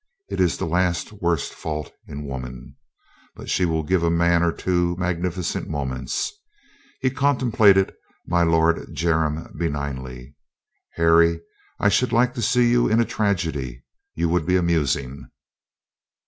It is the last worst fault in woman. But she will give a man or two magnificent moments." He contem plated my Lord Jermyn benignly. "Harry, I should like to see you in a tragedy. You would be amus ing."